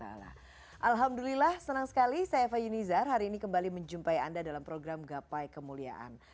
alhamdulillah senang sekali saya eva yunizar hari ini kembali menjumpai anda dalam program gapai kemuliaan